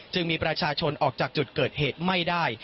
มีประชาชนออกจากจุดเกิดเหตุไม่ได้